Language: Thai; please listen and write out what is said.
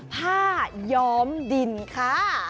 ผ้าย้อมดินค่ะ